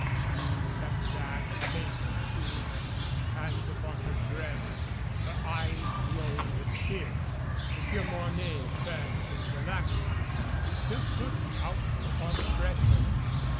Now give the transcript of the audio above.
She stepped back a pace or two, her hands upon her breast, her eyes glowing with fear. Monsieur Mornay turned to the lackey, who still stood doubtful upon the threshold.